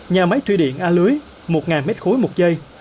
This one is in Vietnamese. nhà máy thủy điện a lưới một m ba một giây